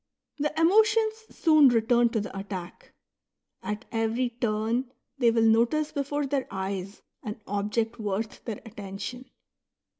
The emotions soon return to the attack ; at every turn they will notice before their eyes an object worth their attention.